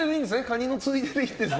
カニのついでで。